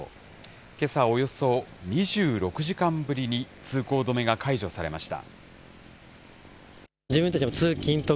けさ、およそ２６時間ぶりに通行止めが解除されました。